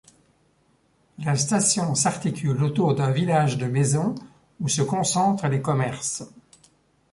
La station s'articule autour d'un village de maisons où se concentrent les commerces.